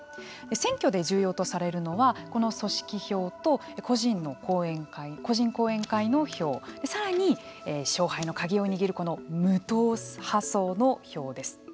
選挙で重要とされるのはこの組織票と個人の後援会個人後援会の票さらに、勝敗の鍵を握る無党派層の票です。